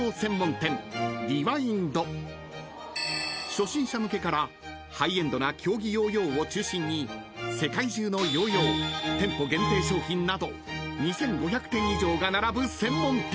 ［初心者向けからハイエンドな競技ヨーヨーを中心に世界中のヨーヨー店舗限定商品など２，５００点以上が並ぶ専門店］